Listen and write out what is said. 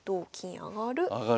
上がる。